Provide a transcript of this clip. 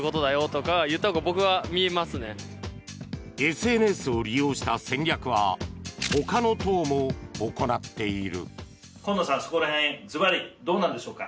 ＳＮＳを利用した戦略はほかの党も行っている。